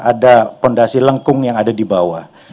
ada fondasi lengkung yang ada di bawah